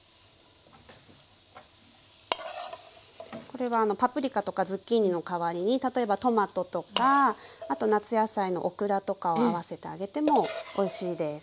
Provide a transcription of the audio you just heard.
これはパプリカとかズッキーニの代わりに例えばトマトとかあと夏野菜のオクラとかを合わせてあげてもおいしいです。